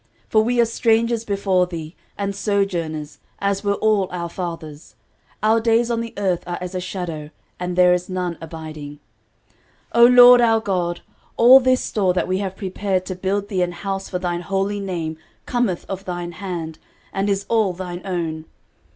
13:029:015 For we are strangers before thee, and sojourners, as were all our fathers: our days on the earth are as a shadow, and there is none abiding. 13:029:016 O LORD our God, all this store that we have prepared to build thee an house for thine holy name cometh of thine hand, and is all thine own.